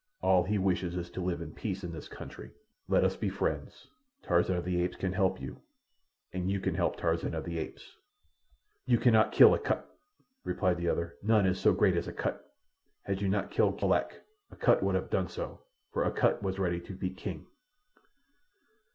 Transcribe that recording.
All he wishes is to live in peace in this country. Let us be friends. Tarzan of the Apes can help you, and you can help Tarzan of the Apes." "You cannot kill Akut," replied the other. "None is so great as Akut. Had you not killed Molak, Akut would have done so, for Akut was ready to be king."